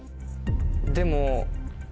でも。